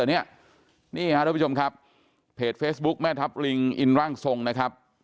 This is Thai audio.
ท่านผู้ชมครับเพจแฟซบุ๊กแม่ทับลิงอินร่างทรงนะครับ